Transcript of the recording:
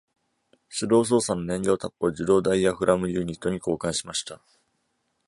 手動操作の燃料タップを自動ダイヤフラムユニットに交換しました。